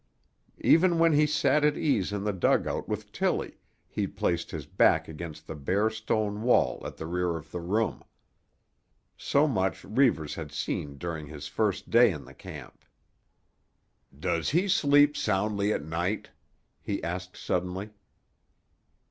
Even when he sat at ease in the dugout with Tillie he placed his back against the bare stone wall at the rear of the room. So much Reivers had seen during his first day in the camp. "Does he sleep soundly at night?" he asked suddenly.